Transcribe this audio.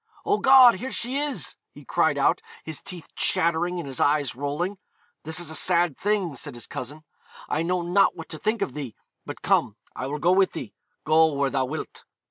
'Oh God, here she is!' he cried out, his teeth chattering and his eyes rolling. 'This is a sad thing,' said his cousin: 'I know not what to think of thee; but come, I will go with thee, go where thou wilt.'